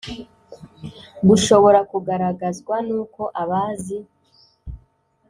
gushobora kugaragazwa n uko abazi